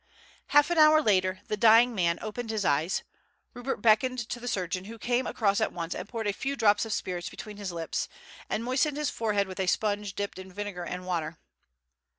Half an hour later the dying man opened his eyes. Rupert beckoned to the surgeon, who came across at once and poured a few drops of spirits between his lips, and moistened his forehead with a sponge dipped in vinegar and water.